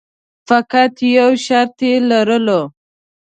فقط یو شرط یې لرلو.